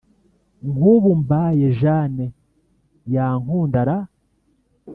nkubu mbaye jane yankunda ra